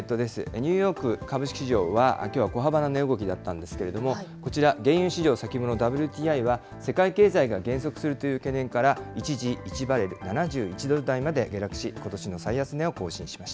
ニューヨーク株式市場は、きょうは小幅な値動きだったんですけれども、こちら原油市場先物ＷＴＩは、世界経済が減速するという懸念から、一時１バレル７１ドル台まで下落し、ことしの最安値を更新しまし